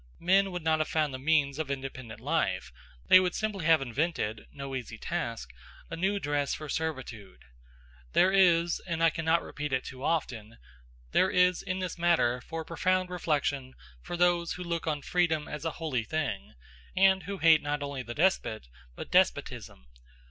Men would not have found the means of independent life; they would simply have invented (no easy task) a new dress for servitude. There is and I cannot repeat it too often there is in this matter for profound reflection for those who look on freedom as a holy thing, and who hate not only the despot, but despotism.